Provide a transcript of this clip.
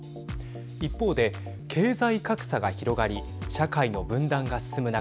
一方で経済格差が広がり社会の分断が進む中